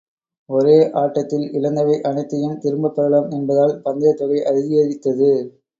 ஒரே ஆட்டத்தில் இழந்தவை அனைத்தையும் திரும்பப்பெறலாம் என்பதால் பந்தயத் தொகை அதிகரித்தது.